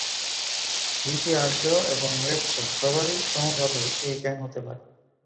ঋষি, আর্য এবং ম্লেচ্ছ সবারই সমভাবে এই জ্ঞান হতে পারে।